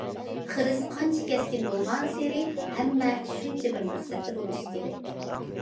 خىرىس قانچە كەسكىن بولغانسېرى، ھەممە شۇنچە بىر مەقسەتتە بولۇشى كېرەك.